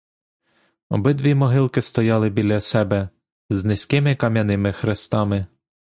Обидві могилки стояли біля себе з низькими кам'яними хрестами.